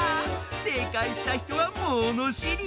せいかいしたひとはものしり。